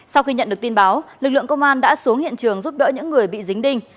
sau khi nhận được tin báo lực lượng công an đã xuống hiện trường giúp đỡ những người bị dính đinh